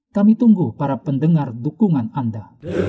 kami tunggu para pendengar dukungan anda